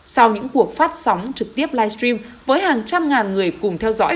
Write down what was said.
sau những cuộc phát sóng trực tiếp livestream với hàng trăm ngàn người cùng theo dõi